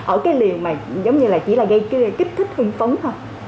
ở cái liều mà chỉ là gây kích thích hương phấn thôi